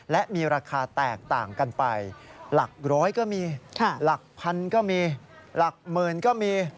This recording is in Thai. และมีราคาแตกต่างกันไปหลักร้อยก็มีหลักพันก็มีหลักหมื่นก็มี